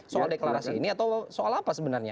soal deklarasi ini atau soal apa sebenarnya